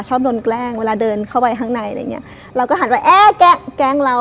ชอบโดนแกล้งเวลาเดินเข้าไปข้างในอะไรอย่างเงี้ยเราก็หันไปเอ๊ะแกล้งแกล้งเรา